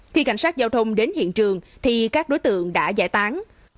khi cảnh sát giao thông đến hiện trường thì các đối tượng đã giải tán